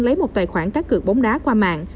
lấy một tài khoản cá cược bóng đá qua mạng